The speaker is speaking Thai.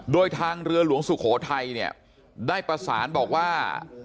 โดยทางเรือหลวงสุโขทัยเนี่ยได้ประสานบอกว่า